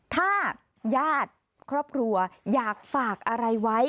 ถ้าญาติครอบครัวอยากฝากอะไรไว้